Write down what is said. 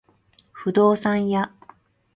不動産屋